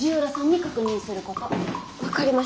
分かりました。